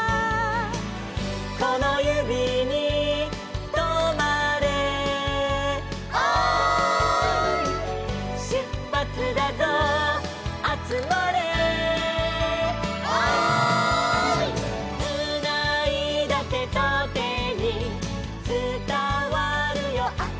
「このゆびにとまれ」「おーい」「しゅっぱつだぞあつまれ」「おーい」「つないだてとてにつたわるよあったかい」